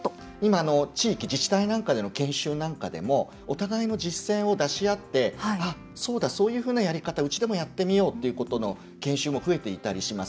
地域、自治体の研修でお互いの実践を出し合ってそういうふうなやり方うちでもやってみようというような研修も増えていたりします。